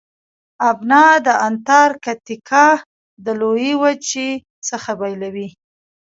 ابنا د انتارکتیکا د لویې وچې څخه بیلوي.